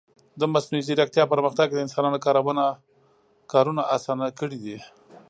د مصنوعي ځیرکتیا پرمختګ د انسانانو کارونه آسانه کړي دي.